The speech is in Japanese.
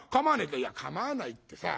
「いや構わないってさ